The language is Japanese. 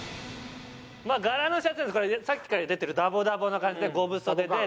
まあ柄のシャツなんですけどこれさっきから出てるダボダボな感じで５分袖でっていって。